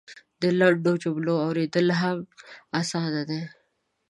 د لنډو جملو اورېدل هم اسانه دی.